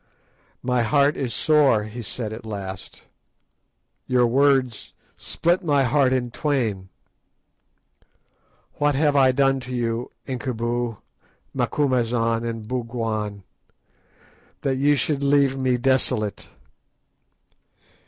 "My heart is sore," he said at last; "your words split my heart in twain. What have I done to you, Incubu, Macumazahn, and Bougwan, that ye should leave me desolate?